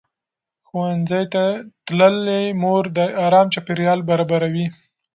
ښوونځې تللې مور د ارام چاپېریال برابروي.